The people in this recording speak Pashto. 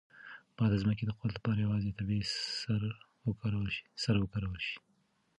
باید د ځمکې د قوت لپاره یوازې طبیعي سره وکارول شي.